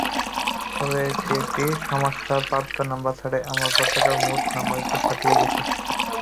ফলে একটি সমস্যার প্রাপ্ত নম্বর ছাড়াই আমরা গতবারের মোট নম্বরকে ছাপিয়ে গেছি।